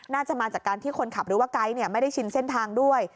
น่าจะมาจากการที่คนขับหรือว่าไก๊ไม่ได้ชินเส้นทางด้วย